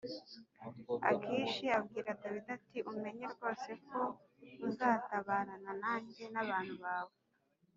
akishi abwira dawidi ati “umenye rwose ko uzatabarana nanjye n’abantu bawe